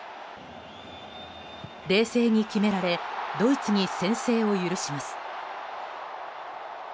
冷静に決められドイツに先制を許します。